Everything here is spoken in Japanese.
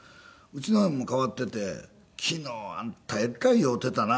うちのも変わってて「昨日あんたえらい酔うてたな」